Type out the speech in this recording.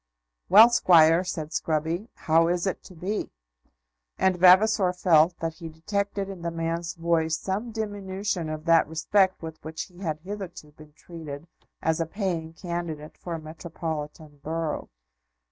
"Well, Squire," said Scruby, "how is it to be?" And Vavasor felt that he detected in the man's voice some diminution of that respect with which he had hitherto been treated as a paying candidate for a metropolitan borough.